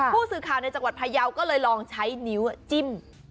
พระเยาทร์ก็เลยลองใช้นิ้วจิ้ม